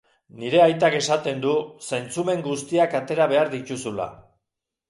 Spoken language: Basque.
Nire aitak esaten du zentzumen guztiak atera behar dituzula.